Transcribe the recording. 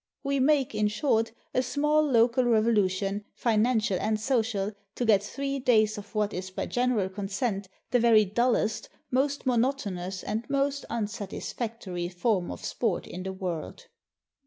We make, in short, a small local revolu tion, financial and social, to get three days of what is by general consent the very dullest, most monotonous, and most unsatisfactory form of sport in the world.